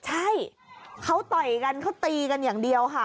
ใช่เขาต่อยกันเขาตีกันอย่างเดียวค่ะ